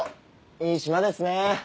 いい島ですね。